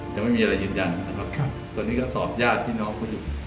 ยังไม่มีอะไรยืนยันตรงนี้ก็สอบแย่จที่หน้าอีก